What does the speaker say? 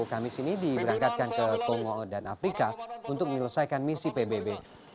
kamis ini diberangkatkan ke kongo dan afrika untuk menyelesaikan misi pbb